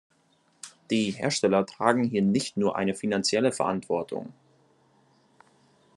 Die Hersteller tragen hier nicht nur eine finanzielle Verantwortung.